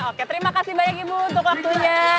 oke terima kasih banyak ibu untuk waktunya